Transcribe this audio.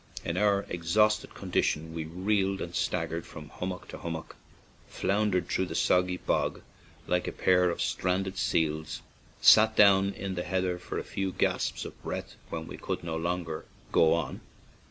In our exhausted condi tion we reeled and staggered from hum mock to hummock, floundered through the soggy bog like a pair of stranded seals, sat down in the heather for a few gasps of breath when we could go on no longer.